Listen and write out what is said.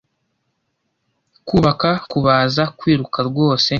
kubaka, kubaza, kwiruka rwose